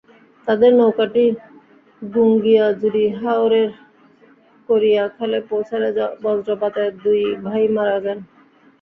তাঁদের নৌকাটি গুঙ্গিয়াজুড়ি হাওরের কড়িয়াখালে পৌঁছালে বজ্রপাতে দুই ভাই মারা যান।